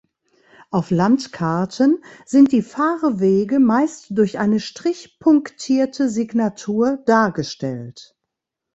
Auf Landkarten sind die Fahrwege meist durch eine "strich-punktierte" Signatur dargestellt.